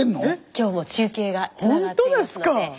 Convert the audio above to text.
今日も中継がつながっていますので。